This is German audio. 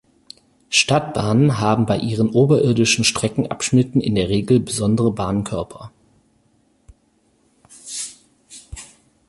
Stadtbahnen haben bei ihren oberirdischen Streckenabschnitten in der Regel besondere Bahnkörper.